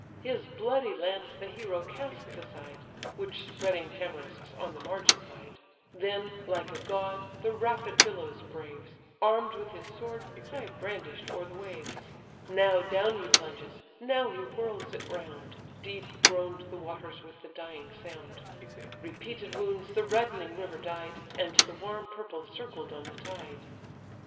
His bloody lance the hero casts aside, (Which spreading tamarisks on the margin hide,) Then, like a god, the rapid billows braves, Arm'd with his sword, high brandish'd o'er the waves: Now down he plunges, now he whirls it round, Deep groan'd the waters with the dying sound; Repeated wounds the reddening river dyed, And the warm purple circled on the tide.